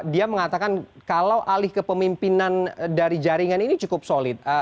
dia mengatakan kalau alih ke pemimpinan dari jaringan ini cukup solid